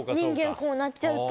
こうなっちゃうと。